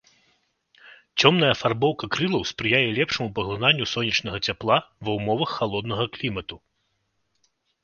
Цёмная афарбоўка крылаў спрыяе лепшаму паглынанню сонечнага цяпла ва ўмовах халоднага клімату.